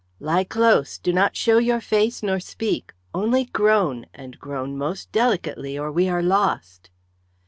"Lie close! Do not show your face nor speak. Only groan, and groan most delicately, or we are lost."